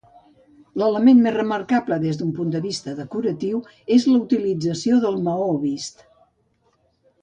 L'element més remarcable des del punt de vista decoratiu és la utilització del maó vist.